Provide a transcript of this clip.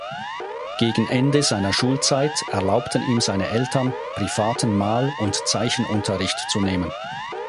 Gegen Ende seiner Schulzeit erlaubten ihm seine Eltern, privaten Mal- und Zeichenunterricht zu nehmen.